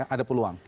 ada peluang ya